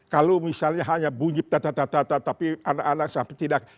kalau misalnya hanya bunyi peta tata tapi anak anak sampai tidak